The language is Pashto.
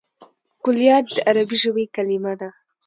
کلیات د عربي ژبي کليمه ده.